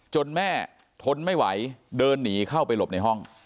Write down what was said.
แม่ทนไม่ไหวเดินหนีเข้าไปหลบในห้อง